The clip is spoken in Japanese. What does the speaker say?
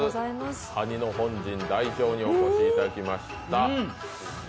蟹の本陣代表に来ていただきました。